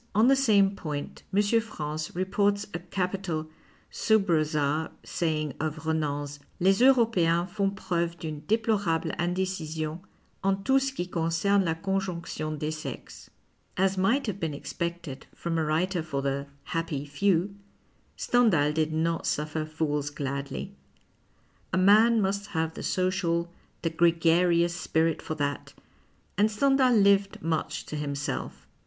On the same point, M. France reports a capital sub rosd saying of Renan's :—" Les Europeens font preuve d'unc deplorable ind6cision en tout ce qui concerne la conjonotion dcs sexes." As might have been expected from a wTiter for the " happy few," Stendhal did not suffer fools gladly. A man must have the social, tiic gregarious spirit for that, and Stendhal lived much to himself.